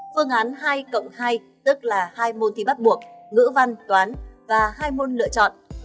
phương án hai cộng hai tức là hai môn thi bắt buộc ngữ văn toán và hai môn lựa chọn